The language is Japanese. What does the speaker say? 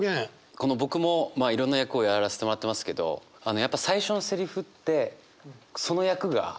この僕もまあいろんな役をやらせてもらってますけどやっぱ最初のセリフってその役が決まっちゃうんですよ。